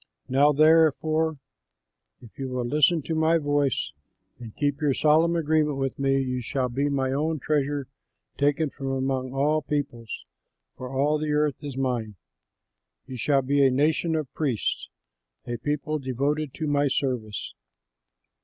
Now therefore, if you will listen to my voice and keep your solemn agreement with me, you shall be my own treasure taken from among all peoples, for all the earth is mine. You shall be a nation of priests, a people devoted to my service.'"